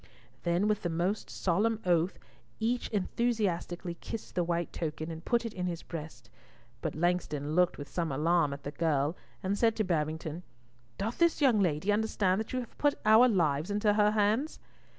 Then with the most solemn oath each enthusiastically kissed the white token, and put it in his breast, but Langston looked with some alarm at the girl, and said to Babington, "Doth this young lady understand that you have put our lives into her hands?"